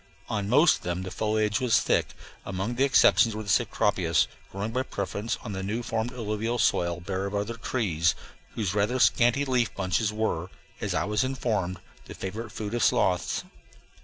On most of them the foliage was thick; among the exceptions were the cecropias, growing by preference on new formed alluvial soil bare of other trees, whose rather scanty leaf bunches were, as I was informed, the favorite food of sloths.